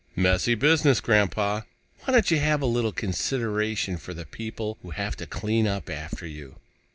"Messy business, Grandpa. Why don't you have a little consideration for the people who have to clean up after you?"